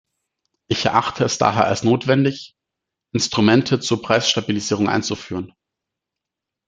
Ich erachte es daher als notwendig, Instrumente zur Preisstabilisierung einzuführen.